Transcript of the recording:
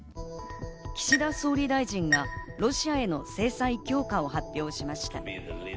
岸田総理大臣がロシアへの制裁強化を発表しました。